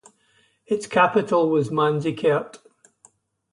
Its capital was Manzikert.